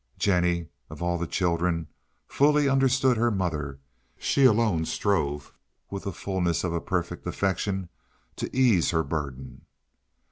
Jennie, of all the children, fully understood her mother; she alone strove, with the fullness of a perfect affection, to ease her burden.